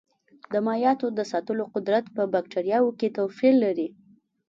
د مایعاتو د ساتلو قدرت په بکټریاوو کې توپیر لري.